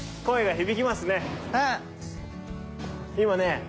声が響きますね。